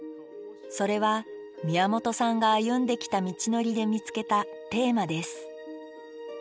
それは宮本さんが歩んできた道のりで見つけた「テーマ」です